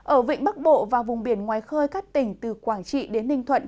ở vịnh bắc bộ và vùng biển ngoài khơi các tỉnh từ quảng trị đến ninh thuận